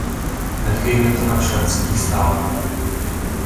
Nechejme to na členských státech.